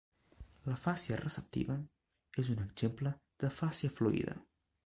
L'afàsia receptiva és un exemple d'afàsia fluida.